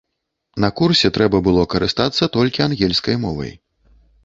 На курсе трэба было карыстацца толькі ангельскай мовай.